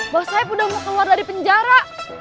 bos saeb udah mau keluar dari penjara